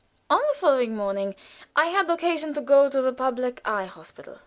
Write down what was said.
On the following morning I had occasion to go to the public eye hospital.